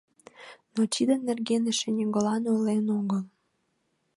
Но тидын нерген эше нигӧлан ойлен огыл.